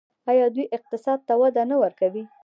آیا دوی اقتصاد ته وده نه ورکوي؟